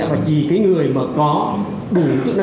và chỉ người có đủ chức năng nhiệm vụ